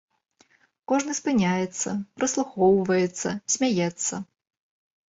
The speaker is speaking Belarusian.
Кожны спыняецца, прыслухоўваецца, смяецца.